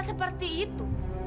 dia seperti itu